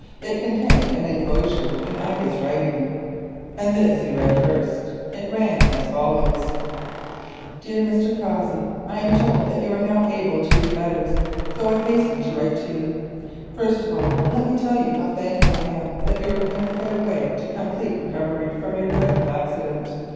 It contained an inclosure in Ida's writing, and this he read first. It ran as follows: "Dear Mr. Cossey,— "I am told that you are now able to read letters, so I hasten to write to you. First of all, let me say how thankful I am that you are in a fair way to complete recovery from your dreadful accident.